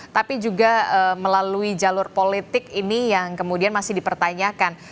tapi juga melalui jalur politik ini yang kemudian masih dipertanyakan